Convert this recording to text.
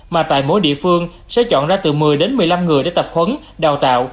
mà tại mỗi địa phương sẽ chọn ra từ một mươi đến một mươi năm người để tập huấn đào tạo